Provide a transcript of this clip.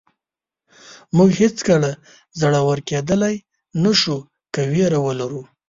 موږ هېڅکله زړور کېدلی نه شو که وېره ولرو.